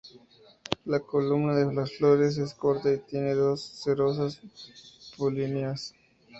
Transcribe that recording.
La columna de las flores es corta y tiene dos cerosas polinias.